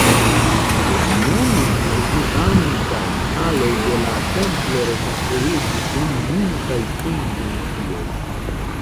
La nune ekzistantaj haloj de la templo rekonstruiĝis dum Ming- kaj Ĉing-dinastioj.